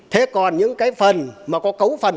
thế còn những cái phần mà có cấu phần